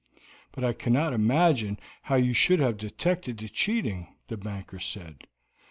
"But I cannot imagine how you should have detected the cheating," the banker said.